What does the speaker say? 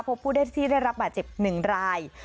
พบผู้ได้ที่ได้รับบาดเจ็บ๑ราย